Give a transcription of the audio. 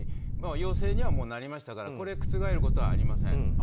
陽性にはもうなりましたからこれが覆ることはありません。